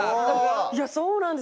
いやそうなんですよ。